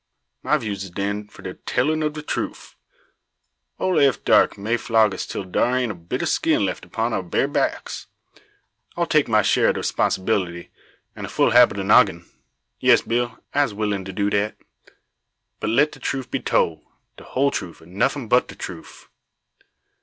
"My views is den, for de tellin' ob de troof. Ole Eph Darke may flog us till dar ain't a bit o' skin left upon our bare backs. I'll take my share ob de 'sponsibility, an a full half ob de noggin'. Yes, Bill, I'se willin' to do dat. But let de troof be tole de whole troof, an' nuffin but de troof."